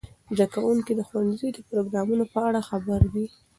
زده کوونکي د ښوونځي د پروګرامونو په اړه خبر دي.